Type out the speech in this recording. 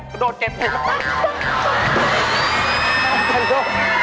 ก็โดดเก็บให้ละ